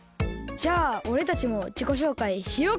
じゃあおれたちもじこしょうかいしようか。